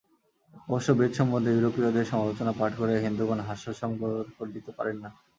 অবশ্য বেদ সম্বন্ধে ইউরোপীয়দের সমালোচনা পাঠ করিয়া হিন্দুগণ হাস্য সংবরণ করিতে পারেন না।